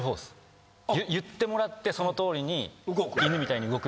言ってもらってそのとおりに。